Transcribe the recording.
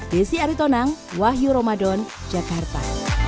desi aritonang wahyu ramadan jakarta